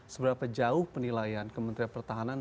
seberapa jauh penilaian kementerian pertahanan